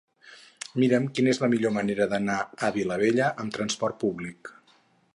Mira'm quina és la millor manera d'anar a Vilabella amb trasport públic.